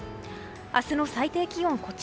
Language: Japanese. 明日の最低気温